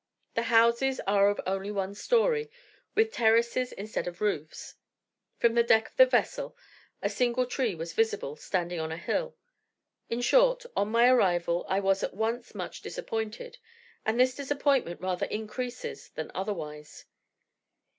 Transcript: The houses are of only one story, with terraces instead of roofs. From the deck of the vessel a single tree was visible, standing on a hill. In short, on my arrival I was at once much disappointed, and this disappointment rather increases than otherwise.